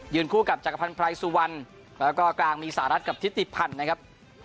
คู่กับจักรพันธ์ไพรสุวรรณแล้วก็กลางมีสหรัฐกับทิติพันธ์นะครับ